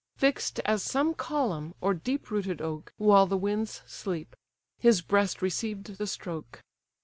Fix'd as some column, or deep rooted oak, While the winds sleep; his breast received the stroke.